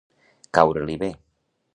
Caure-li bé.